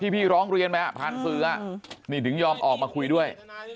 พี่ร้องเรียนไหมผ่านสื่อนี่ถึงยอมออกมาคุยด้วย